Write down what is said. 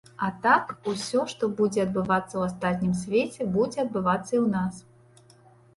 А так усё, што будзе адбывацца ў астатнім свеце, будзе адбывацца і ў нас.